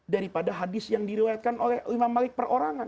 daripada hadis yang dirilatkan oleh imam malik perorangan